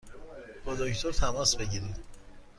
با دکتر تماس بگیرید!